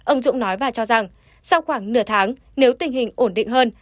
ông dũng nói và cho rằng sau khoảng nửa tháng nếu tình hình ổn định hơn